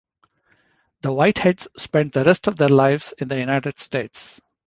The Whiteheads spent the rest of their lives in the United States.